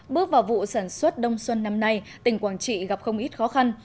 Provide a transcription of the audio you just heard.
bước vào vụ sản xuất đông xuân năm nay tỉnh quảng trị gặp không ít khó khăn